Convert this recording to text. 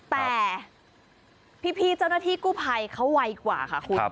แต่พี่เจ้าหน้าที่กู้ภัยเขาไวกว่าค่ะคุณ